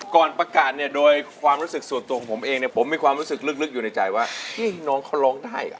ก่อนประกาศเนี่ยโดยความรู้สึกส่วนตัวของผมเองเนี่ยผมมีความรู้สึกลึกอยู่ในใจว่าน้องเขาร้องได้อ่ะ